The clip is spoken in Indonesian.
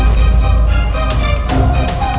mesti orang tau bener